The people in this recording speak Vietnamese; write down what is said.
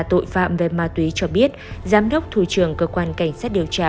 tội phạm về ma túy cho biết giám đốc thủ trưởng cơ quan cảnh sát điều tra